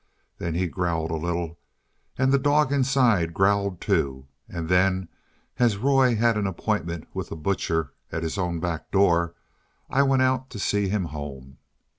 Then he growled a little, and the dog inside growled too; and then, as Roy had an appointment with the butcher at his own back door, I went out to see him home.